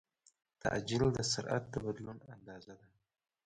تعجیل د سرعت د بدلون اندازه ده.